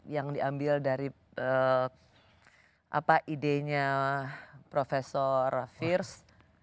yang diambil dari idenya profesor fierce